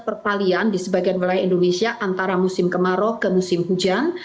seperti yang kita alami di wilayah indonesia antara musim kemarau ke musim hujan